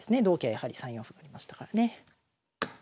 やはり３四歩がありましたからね。